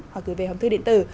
hoặc gửi về hồng thư điện tử